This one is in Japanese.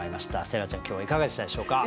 星来ちゃん今日はいかがでしたでしょうか？